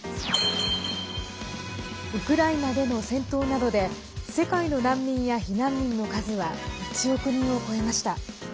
ウクライナでの戦闘などで世界の難民や避難民の数は１億人を超えました。